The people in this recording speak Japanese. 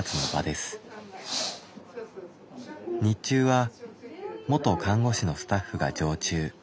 日中は元看護師のスタッフが常駐。